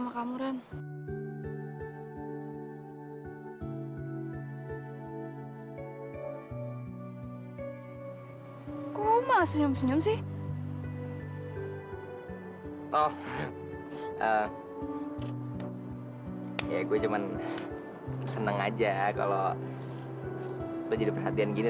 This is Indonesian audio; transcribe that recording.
maksudnya according d